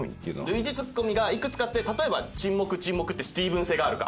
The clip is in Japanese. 類似ツッコミがいくつかあって例えば「沈黙沈黙ってスティーブン・セガールか」。